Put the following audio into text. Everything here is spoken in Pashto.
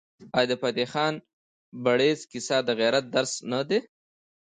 آیا د فتح خان بړیڅ کیسه د غیرت درس نه دی؟